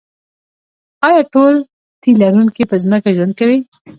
ایا ټول تی لرونکي په ځمکه ژوند کوي